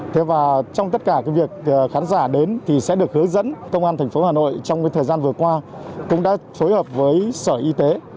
sẽ được hướng dẫn công an thành phố hà nội trong thời gian vừa qua cũng đã phối hợp với sở y tế